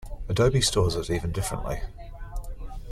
Adobe stores it even differently.